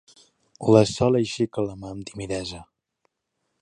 La Sol aixeca la mà amb timidesa.